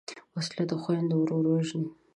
وسله د خویندو ورور وژني